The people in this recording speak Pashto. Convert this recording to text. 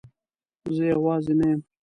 زه یوازی نه یم